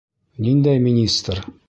Ниндәй министр?